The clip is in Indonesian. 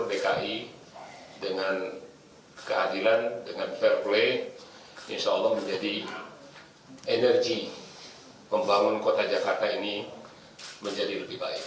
dengan kehadiran dengan fair play insya allah menjadi energi pembangunan kota jakarta ini menjadi lebih baik